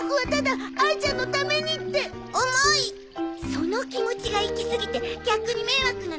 その気持ちがいきすぎて逆に迷惑なの。